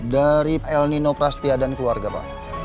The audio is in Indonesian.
dari el nino prastia dan keluarga pak